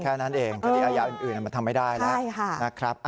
แค่นั้นเองทะยายาอื่นมันทำไม่ได้แล้ว